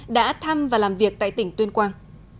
đã thăm và làm việc tại tỉnh tuyên quang